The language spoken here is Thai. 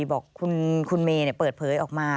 บอกคุณเมย์เปิดเผยออกมา